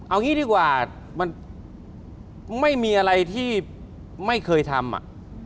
เอางี้ดีกว่ามันไม่มีอะไรที่ไม่เคยทำอ่ะ